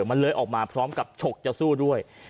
มันเลยออกมาพร้อมกับฉกจะสู้ด้วย